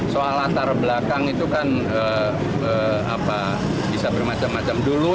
soal latar belakang itu kan bisa bermacam macam dulu